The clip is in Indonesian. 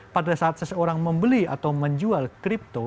pada saat seseorang membeli atau menjual kripto